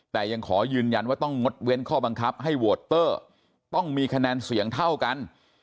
แต่ยังขอยืนยันว่าต้องงดเว้นข้อบังคับให้โหวตเตอร์ต้องมีคะแนนเสียงเท่ากัน